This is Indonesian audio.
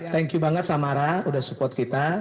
thank you banget samara udah support kita